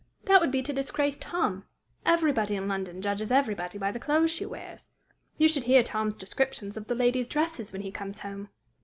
That would be to disgrace Tom. Everybody in London judges everybody by the clothes she wears. You should hear Tom's descriptions of the ladies' dresses when he comes home!"